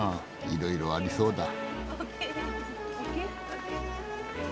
いろいろありそうだ。